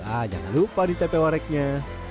ah jangan lupa di tempe wareknya